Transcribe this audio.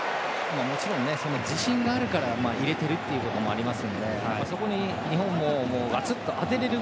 もちろん自信があるから入れているということもあるのでそこに日本もがつっと当てられる